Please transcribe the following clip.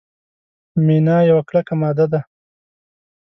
مینا یوه کلکه ماده ده.